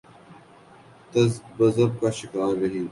تذبذب کا شکار رہی۔